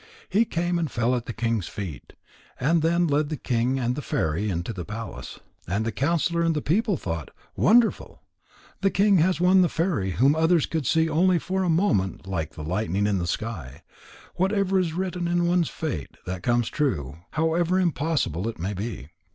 He came and fell at the king's feet, and then led the king and the fairy into the palace. And the counsellor and the people thought: "Wonderful! The king has won the fairy whom others could see only for a moment like the lightning in the sky. Whatever is written in one's fate, that comes true, however impossible it may be."